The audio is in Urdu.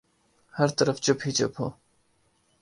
ہر طرف چپ ہی چپ ہو۔